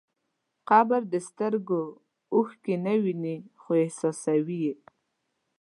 قبر د سترګو اوښکې نه ویني، خو احساسوي.